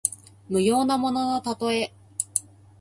無用なもののたとえ。